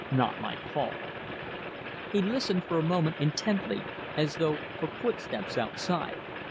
"Not my fault." He listened for a moment intently, as though for footsteps outside.